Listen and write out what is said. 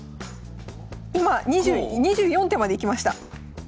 今２４手までいきました。